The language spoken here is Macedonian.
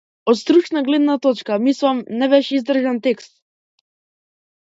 Од стручна гледна точка, мислам, не беше издржан текст.